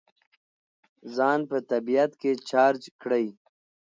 ځان په طبیعت کې چارج کړئ.